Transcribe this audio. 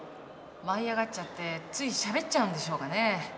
舞い上がっちゃってついしゃべっちゃうんでしょうかね？